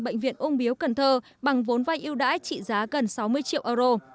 bệnh viện ung biếu cần thơ bằng vốn vai yêu đãi trị giá gần sáu mươi triệu euro